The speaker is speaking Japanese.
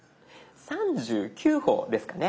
３９歩ですかね。